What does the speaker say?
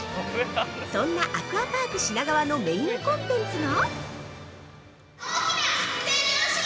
そんなアクアパーク品川のメインコンテンツが。